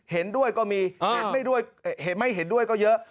เห็นด้วยก็มีเห็นไม่เห็นด้วยก็เยอะ